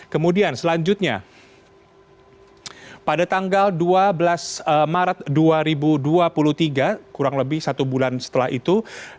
kemudian selanjutnya pada tanggal dua belas maret dua ribu dua puluh tiga kurang lebih satu bulan setelah itu